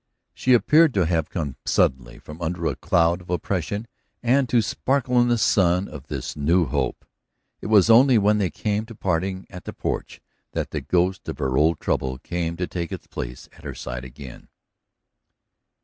She appeared to have come suddenly from under a cloud of oppression and to sparkle in the sun of this new hope. It was only when they came to parting at the porch that the ghost of her old trouble came to take its place at her side again.